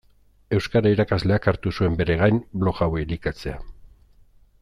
Euskara irakasleak hartu zuen bere gain blog hau elikatzea.